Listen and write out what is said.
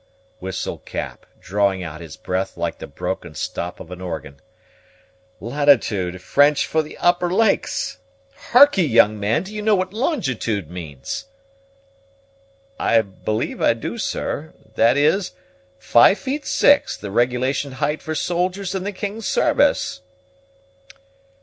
whistled Cap, drawing out his breath like the broken stop of an organ; "latitude, French for upper lakes! Hark'e, young man, do you know what longitude means?" "I believe I do, sir; that is, five feet six, the regulation height for soldiers in the king's service."